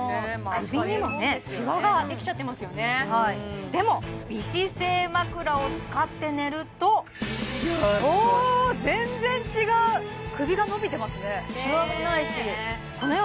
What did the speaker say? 首にもねシワができちゃってますよねでも美姿勢枕を使って寝るといやすごいお全然違う首が伸びてますねシワもないしね